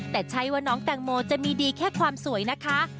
แต่ใช่ว่าน้องแตงโมจะมีดีแค่ความสวยนะคะ